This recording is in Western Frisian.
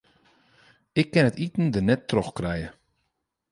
Ik kin it iten der net troch krije.